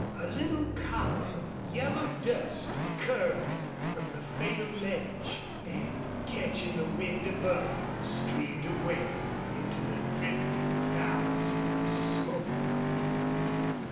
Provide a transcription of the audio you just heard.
A little column of yellow dust curled from the fatal ledge and, catching the wind above, streamed away into the drifting clouds of smoke.